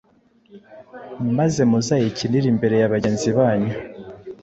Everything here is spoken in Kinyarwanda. maze muzayikinire imbere ya bagenzi banyu.